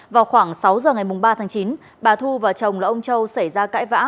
vào khoảng sáu giờ ngày ba tháng chín bà thu và chồng là ông châu xảy ra cãi vã